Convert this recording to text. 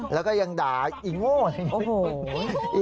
แล้วก็ยังด่าไอ้โง่อะไรอย่างนี้